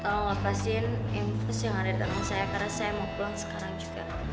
awal pasien infus yang ada di dalam saya karena saya mau pulang sekarang juga